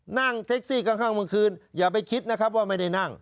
นั่งแท็กซี่ข้างกลางคืนอย่าไปคิดนะครับว่าไม่ได้นั่ง